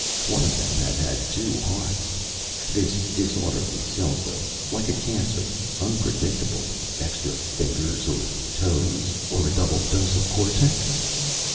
One of them had had two hearts. This disorderly cell growth ... like a cancer. Unpredictable: extra fingers or toes or a double dose of cortex?